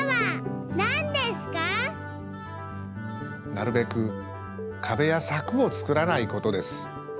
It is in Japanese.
なるべくかべやさくをつくらないことです。